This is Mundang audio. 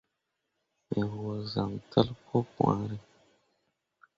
Me võo zan tel pu pããre.